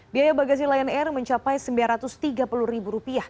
biaya bagasi lion air mencapai rp sembilan ratus tiga puluh